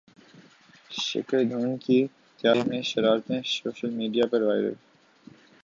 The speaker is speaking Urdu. شیکھر دھون کی طیارے میں شرارتیں سوشل میڈیا پر وائرل